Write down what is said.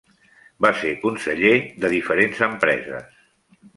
Va ser conseller de diferents empreses.